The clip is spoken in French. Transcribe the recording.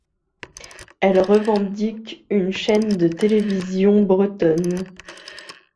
Elle revendique une chaîne de télévision bretonne.